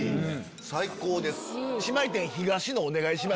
最高です。